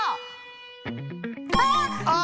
あっ！